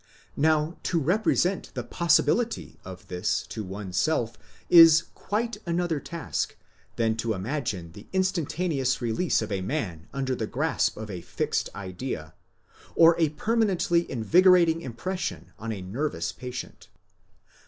Now to represent the possibility of this to one's self is quite another task than to imagine the instantaneous release of a man under the grasp of a fixed idea, or a per manently invigorating impression on a nervous patient.